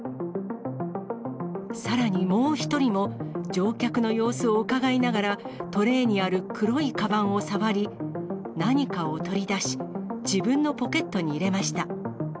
さらにもう１人も、乗客の様子をうかがいながら、トレーにある黒いかばんを触り、何かを取り出し、自分のポケットに入れました。